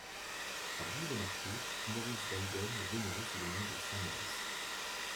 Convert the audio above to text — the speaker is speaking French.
Parmi les martyrs, Maurice d'Agaune est vénéré sous le nom de Saint Maurice.